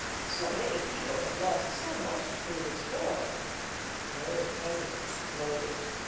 So many people have lost so much through this war." The old peasant exploded.